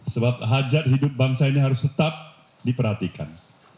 sebab hajat hidup bangsa ini harus tetap diperhatikan